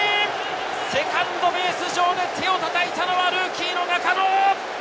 セカンドベース上で手をたたいたのはルーキーの中野！